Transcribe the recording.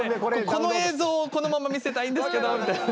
「この映像をこのまま見せたいんですけど」みたいな。